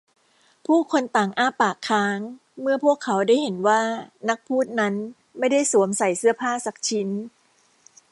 ผู้คนต่างอ้าปากค้างเมื่อพวกเขาได้เห็นว่านักพูดนั้นไม่ได้สวมใส่เสื้อผ้าสักชิ้น